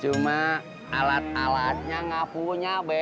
cuma alat alatnya gak punya be